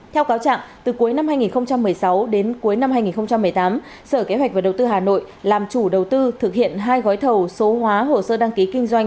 theo cáo trạng từ cuối năm hai nghìn một mươi sáu đến cuối năm hai nghìn một mươi tám sở kế hoạch và đầu tư hà nội làm chủ đầu tư thực hiện hai gói thầu số hóa hồ sơ đăng ký kinh doanh